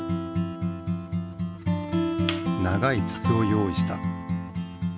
長いつつを用意した。